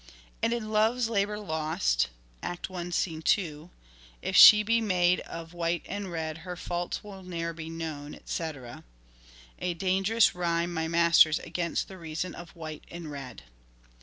And in " Love's Labour's Lost " (I. 2) : 1 ' If she be made of white and red Her faults will ne'er be known, etc." '' A dangerous rhyme, my masters, against the reason of white and red."